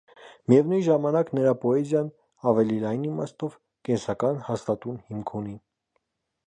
Միևնույն ժամանակ նրա պոեզիան, ավելի լայն իմաստով, կենսական հաստատուն հիմք ունի։